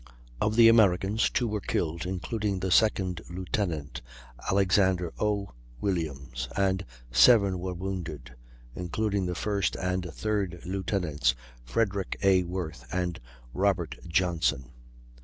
Of the Americans, 2 were killed, including the second lieutenant, Alexander O. Williams, and 7 were wounded, including the first and third lieutenants, Frederick A. Worth and Robert Johnson.